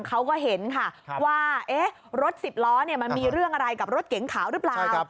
เขาก็เห็นค่ะว่ารถสิบล้อมันมีเรื่องอะไรกับรถเก๋งขาวหรือเปล่า